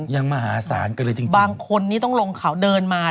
มหาศาลกันเลยจริงบางคนนี้ต้องลงเขาเดินมา